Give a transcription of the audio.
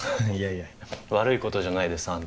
いやいや悪いことじゃないです